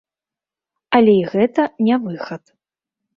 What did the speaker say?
Але і гэта не выхад.